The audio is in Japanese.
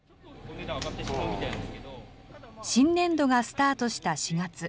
新年度がスタートした４月。